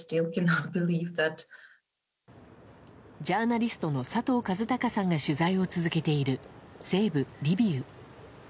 ジャーナリスト佐藤和孝さんが取材を続けている西部、リビウ。